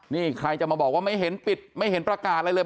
นี่ใครจะมาบอกว่าไม่เห็นปิดไม่เห็นประกาศอะไรเลย